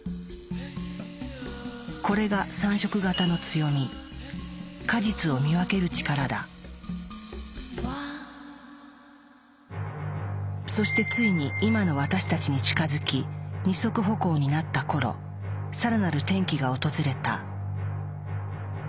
これが３色型の強みそしてついに今の私たちに近づき二足歩行になった頃更なる転機が訪れた。